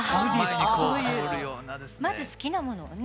まず好きなものをね。